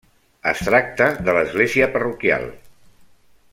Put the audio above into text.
Es tracta de l'església parroquial.